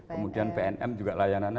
kemudian mereka berkolaborasi